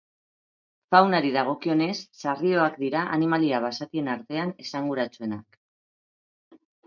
Faunari dagokionez, sarrioak dira animalia basatien artean esanguratsuenak.